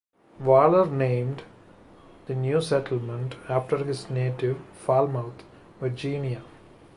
Waller named the new settlement after his native Falmouth, Virginia.